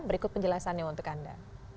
berikut penjelasannya untuk anda